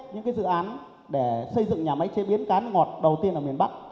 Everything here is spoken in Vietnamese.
những dự án để xây dựng nhà máy chế biến cá ngọt đầu tiên ở miền bắc